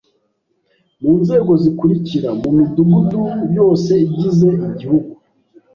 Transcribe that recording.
mu nzego zikurikira:Mu Midugudu yose igize igihugu